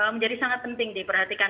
menjadi sangat penting diperhatikan